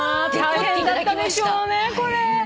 大変だったでしょうねこれ。